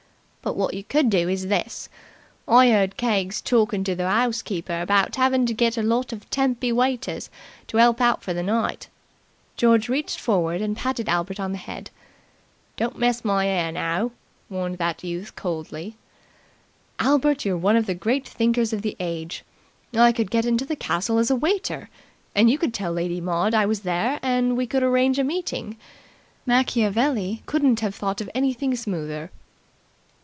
"But wot you could do's this. I 'eard Keggs torkin to the 'ouse keeper about 'avin' to get in a lot of temp'y waiters to 'elp out for the night " George reached forward and patted Albert on the head. "Don't mess my 'air, now," warned that youth coldly. "Albert, you're one of the great thinkers of the age. I could get into the castle as a waiter, and you could tell Lady Maud I was there, and we could arrange a meeting. Machiavelli couldn't have thought of anything smoother."